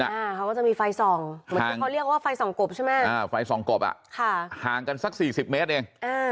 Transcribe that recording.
ก็จะมีไฟส่องเขาเรียกว่าไฟส่องกบใช่มั้ยไฟส่องกบอ่ะหางกันสัก๔๐เมตรเอง